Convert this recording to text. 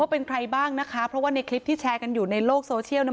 เป็นใครบ้างนะคะเพราะว่าในคลิปที่แชร์กันอยู่ในโลกโซเชียลเนี่ย